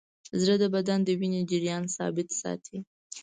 زړه د بدن د وینې جریان ثابت ساتي.